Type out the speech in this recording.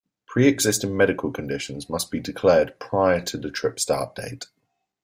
Pre-existing medical conditions must be declared prior to the trip start date.